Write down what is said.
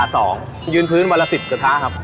ยืนพื้นวันละ๑๐กระทะครับ